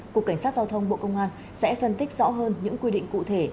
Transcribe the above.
cục cảnh sát giao thông bộ công an sẽ phân tích rõ hơn những quy định cụ thể